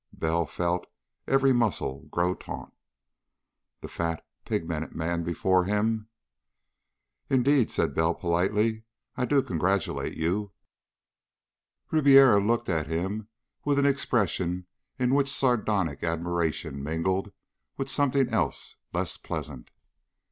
Bell felt every muscle grow taut. The fat, pigmented man before him.... "Indeed," said Bell politely, "I do congratulate you." Ribiera looked at him with an expression in which a sardonic admiration mingled with something else less pleasant.